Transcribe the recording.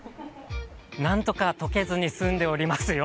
何とか溶けずに済んでおりますよ。